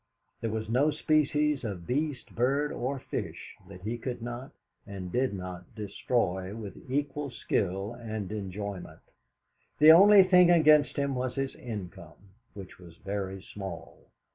There was no species of beast, bird, or fish, that he could not and did not destroy with equal skill and enjoyment. The only thing against him was his income, which was very small.